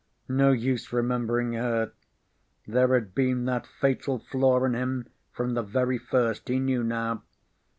No use remembering her. There had been that fatal flaw in him from the very first, he knew now.